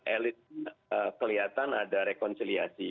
elit kelihatan ada rekonsiliasi